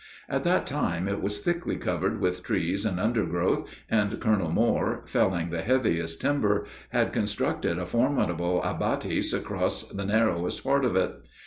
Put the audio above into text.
At that time it was thickly covered with trees and undergrowth, and Colonel Moore, felling the heaviest timber, had constructed a formidable abatis across the narrowest part of it.